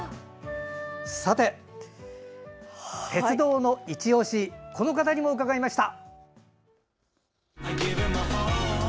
さて、鉄道のいちオシこの方にも伺いました。